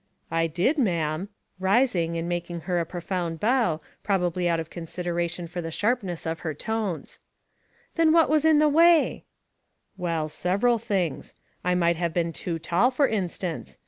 " "I did, ma'am," rising, and making her a pro found bow, probably out of consideration for *^he sharpness of her tones. " Then what was in the way ?" 2 18 Household Puzzles, " Well, several things. I might have been too tall, for instance.